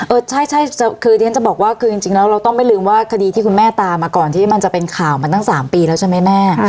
เออใช่คือที่ฉันจะบอกว่าคือจริงแล้วเราต้องไม่ลืมว่าคดีที่คุณแม่ตามมาก่อนที่มันจะเป็นข่าวมาตั้ง๓ปีแล้วใช่ไหมแม่